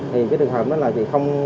thì cái trường hợp đó là gì